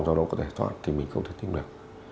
cho nó có thể thoát thì mình cũng có thể tìm được